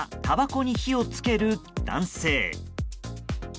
たばこに火を付ける男性。